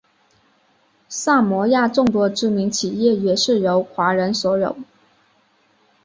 萨摩亚众多知名企业也是由华人所有。